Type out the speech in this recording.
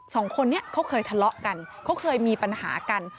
สองคนนี้เขาเคยทะเลาะกันเขาเคยมีปัญหากัน